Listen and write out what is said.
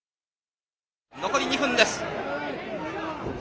残り２分です。